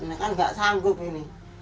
ini kan nggak sanggup ini